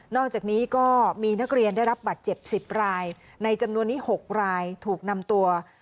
อกจากนี้ก็มีนักเรียนได้รับบัตรเจ็บ๑๐รายในจำนวนนี้๖รายถูกนำตัว